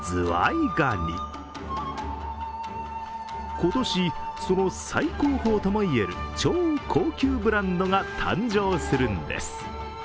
今年、その最高峰ともいえる超高級ブランドが誕生するんです。